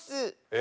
え？